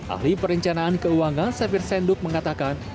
ahli perencanaan keuangan safir senduk mengatakan